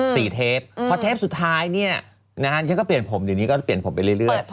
เทปพอเทปสุดท้ายเนี่ยนะฮะฉันก็เปลี่ยนผมเดี๋ยวนี้ก็เปลี่ยนผมไปเรื่อยเรื่อย